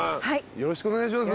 よろしくお願いします。